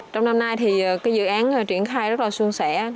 trong năm nay dự án triển khai rất suôn sẻ